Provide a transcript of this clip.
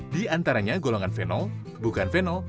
di antaranya golongan venol bukaan venol